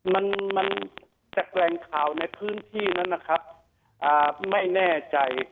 มันมันจากแหล่งข่าวในพื้นที่นั้นนะครับอ่าไม่แน่ใจ